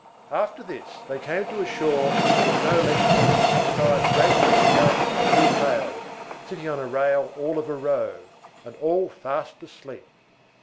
After this they came to a shore where there were no less than sixty five great red parrots with blue tails, sitting on a rail all of a row, and all fast asleep.